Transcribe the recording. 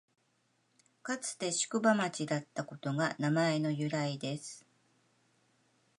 かつて宿場町だったことが名前の由来です